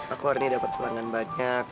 aku hari ini dapat pulangan banyak